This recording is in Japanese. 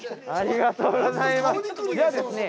ありがとうございます。